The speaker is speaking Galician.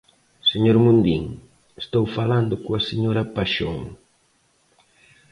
Señor Mundín, estou falando coa señora Paxón.